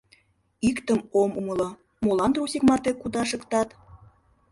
Иктым ом умыло: молан трусик марте кудашыктат?